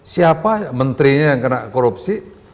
siapa menterinya yang kena korupsi